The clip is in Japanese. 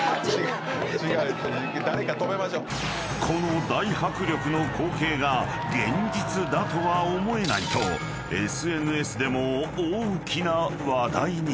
［この大迫力の光景が現実だとは思えないとＳＮＳでも大きな話題に］